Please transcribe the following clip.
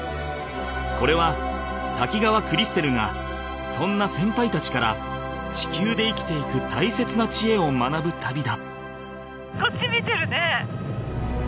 ［これは滝川クリステルがそんな先輩たちから地球で生きていく大切な知恵を学ぶ旅だ］